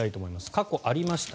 過去ありました。